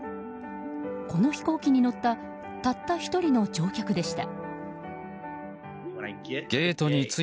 この飛行機に乗ったたった１人の乗客でした。